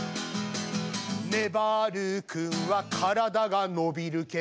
「ねばる君は体が伸びるけど」